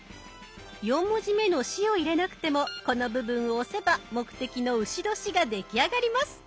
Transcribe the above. ４文字目の「し」を入れなくてもこの部分を押せば目的の「丑年」が出来上がります。